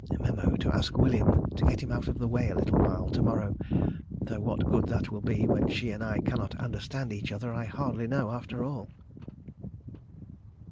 Mem.: To ask William to get him out of the way for a little while to morrow, though what good that will be when she and I cannot understand each other, I hardly know after all....